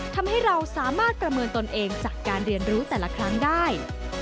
ทำให้เราสามารถประเมินตนเองจากการเรียนรู้แต่ละครั้งได้